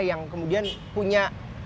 yang kemudian punya